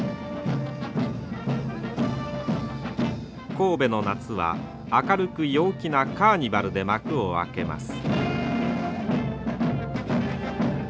神戸の夏は明るく陽気なカーニバルで幕を開けます。